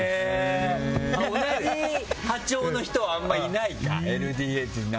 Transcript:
同じ波長の人はあまりいないか、ＬＤＨの中。